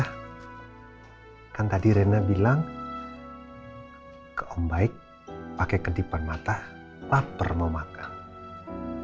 hai kan tadi rena bilang ke om baik pakai ketipan mata paper mau makan